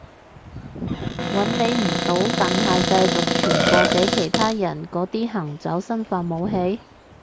搵你唔到但係繼續傳播畀其他人嗰啲行走生化武器？